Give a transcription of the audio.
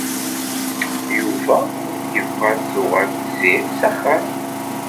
Yuba yebɣa ad tuɣal Tiziri s axxam.